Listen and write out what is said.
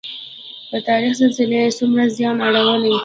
د تخار زلزلې څومره زیان اړوي؟